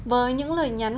với những lời nhắn